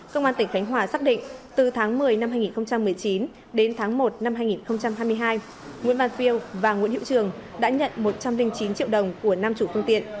công an tỉnh khánh hòa xác định từ tháng một mươi năm hai nghìn một mươi chín đến tháng một năm hai nghìn hai mươi hai nguyễn văn phiêu và nguyễn hiệu trường đã nhận một trăm linh chín triệu đồng của năm chủ phương tiện